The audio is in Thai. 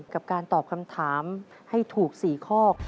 กับการตอบคำถามให้ถูก๔ข้อ